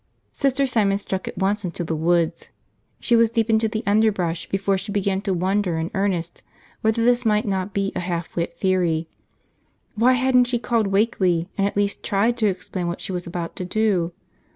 Sister Simon struck at once into the woods. She was deep into the underbrush before she began to wonder in earnest whether this might not be a half wit theory. Why hadn't she called Wakeley and at least tried to explain what she was about to do?